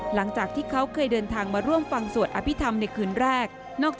หลังจากที่เขาเคยเดินทางมาร่วมฟังสวดอภิษฐรรมในคืนแรก